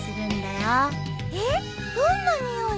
えっどんな匂い？